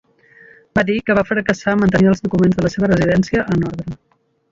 Va dir que va fracassar a mantenir els documents de la seva residència en ordre.